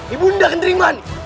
ibu anda keterima ini